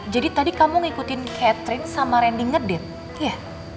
jadi tadi kamu ngikutin catherine sama randy ngedit iya